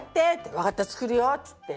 分かった作るよっつって。